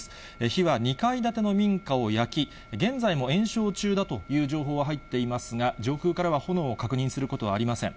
火は２階建ての民家を焼き、現在も延焼中だという情報が入っていますが、上空からは炎を確認することはありません。